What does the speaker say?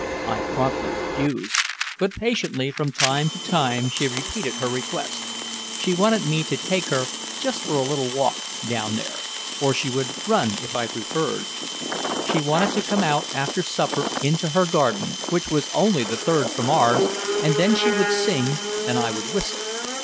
I promptly refused, but patiently from time to time she repeated her request. She wanted me to take her "just for a little walk" down there, or she would run if I preferred. She wanted to come out after supper into her garden, which was only the third from ours, and then she would sing and I would whistle.